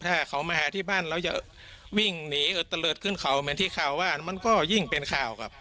ถ้าเขามาหาที่บ้านเราจะวิ่งหนีเออตะเลิศขึ้นเขาเหมือนที่ข่าวว่ามันก็ยิ่งเป็นข่าวครับ